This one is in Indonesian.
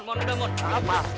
mau jadi kacau